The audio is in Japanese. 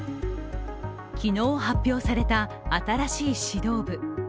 昨日発表された新しい指導部。